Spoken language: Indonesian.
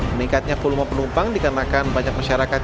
meningkatnya volume penumpang dikarenakan banyak masyarakat